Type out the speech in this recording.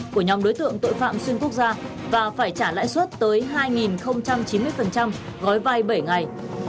của nhóm đối tượng tội phạm xuyên quốc gia và phải trả lãi suất tới hai chín mươi gói vai bảy ngày